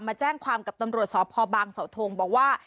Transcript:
มาแจ้งความกับตำรวจสพบางเสาทงบอกว่า